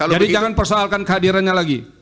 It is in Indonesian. jadi jangan persoalkan kehadirannya lagi